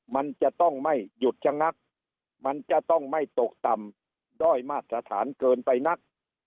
มันจะต้องไม่หยุดชะงักมันจะต้องไม่ตกต่ำด้อยมาตรฐานเกินไปนัก